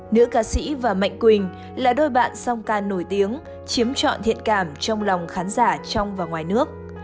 nữ ca sĩ và mạnh quỳnh là đôi bạn song ca nổi tiếng chiếm trọn thiện cảm trong lòng khán giả trong và ngoài nước